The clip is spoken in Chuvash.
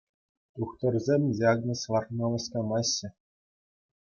Тухтӑрсем диагноз лартма васкамаҫҫӗ.